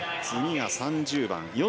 次が３０番。